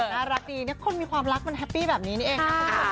น่ารักดีคนมีความรักมันแฮปปี้แบบนี้เอง